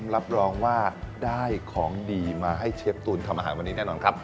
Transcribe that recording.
รับรองว่าได้ของดีมาให้เชฟตูนทำอาหารวันนี้แน่นอนครับ